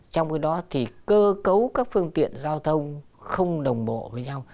trong cái đó thì cơ cấu các phương tiện giao thông không đồng biệt